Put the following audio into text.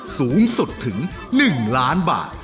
สูงสุดถึง๑ล้านบาท